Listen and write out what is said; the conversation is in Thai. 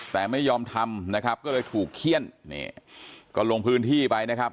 แต่ไม่ยอมทำนะครับก็เลยถูกเขี้ยนนี่ก็ลงพื้นที่ไปนะครับ